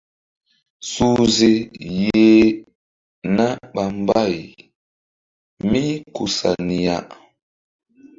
Suhze yeh na ɓa mbay mí ku sa ni ya.